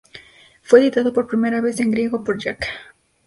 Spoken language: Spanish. Fue editado por primera vez en griego por Jac.